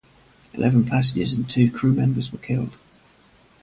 Eleven passengers and two crew-members were killed.